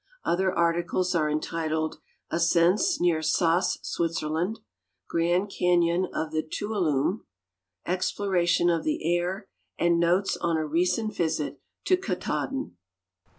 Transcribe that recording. Other articles are entitled "Ascents near Saas, Switzerland," '' Grand ^Canon of the Tuo lumne," "Exploration of the Air," and "Notes on a recent Visit to Katahdin."